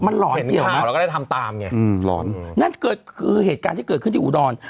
เห็นข้าวแล้วก็ได้ทำตามไงอืมร้อนนั่นเกิดคือเหตุการณ์ที่เกิดขึ้นที่อุดร